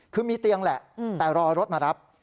คือมีเตียงแหละแต่รอรถมารับ